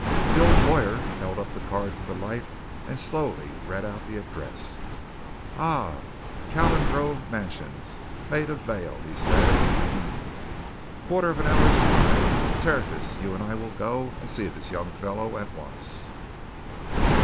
The old lawyer held up the card to the light and slowly read out the address. "Ah! Calengrove Mansions, Maida Vale," he said. "Um quarter of an hour's drive. Tertius you and I will go and see this young fellow at once."